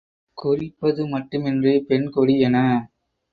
குறிப்பது மட்டுமன்றி, பெண்கொடி என